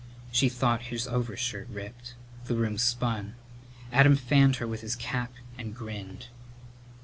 She thought his overshirt ripped. The room spun. Adam fanned her with his cap and grinned.